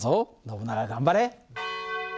ノブナガ頑張れ！